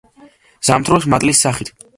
ზამთრობს მატლის სახით.